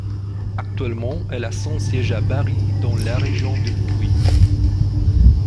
Actuellement, elle a son siège à Bari, dans la région des Pouilles.